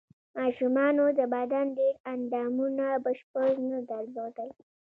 ماشومانو د بدن ډېر اندامونه بشپړ نه درلودل.